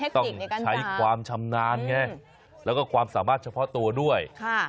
ต้องใช้ความชำนาญไงแล้วก็ความสามารถเฉพาะตัวด้วย